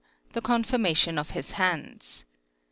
The conformation of his hands.